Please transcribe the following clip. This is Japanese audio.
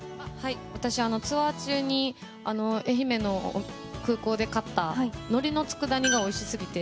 私はツアー中に愛媛の空港で買ったのりの佃煮がおいしすぎて。